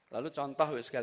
lalu contoh bapak ibu sekalian